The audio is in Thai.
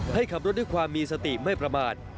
ให้ขับรถด้วยความมีสติไม่ประมาท